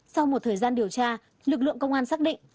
sau một thời gian điều tra lực lượng công an xác định